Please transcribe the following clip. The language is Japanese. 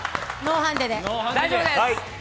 大丈夫です！